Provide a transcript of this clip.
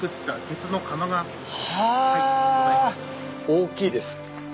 大きいです。